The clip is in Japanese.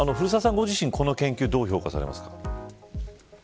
ご自身はこの研究どう評価していますか。